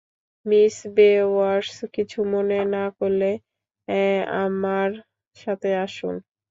Miss বেওয়্যার্স, কিছু মনে না করলে আমার সাথে আসুন।